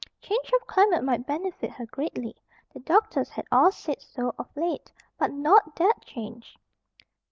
Change of climate might benefit her greatly; the doctors had all said so of late; but not that change.